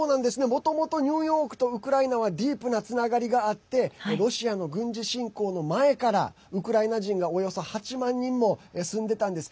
もともとニューヨークとウクライナはディープなつながりがあってロシアの軍事侵攻の前からウクライナ人がおよそ８万人も住んでたんです。